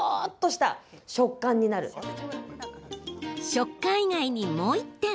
食感以外にもう１点。